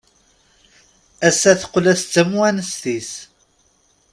Ass-a teqqel-as d tamwanest-is.